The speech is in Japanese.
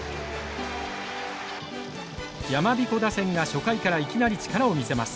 やまびこ打線が初回からいきなり力を見せます。